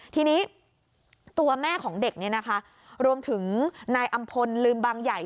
ทีนี้ตัวแม่ของเด็กเนี่ยนะคะรวมถึงนายอำพลลืมบางใหญ่